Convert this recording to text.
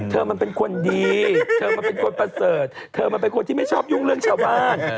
เธอมันเป็นคนดีเธอมันเป็นคนประเสริฐเธอมันเป็นคนที่ไม่ชอบยุ่งเรื่องชาวบ้าน